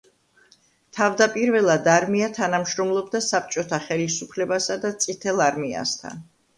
თავდაპირველად არმია თანამშრომლობდა საბჭოთა ხელისუფლებასა და წითელ არმიასთან.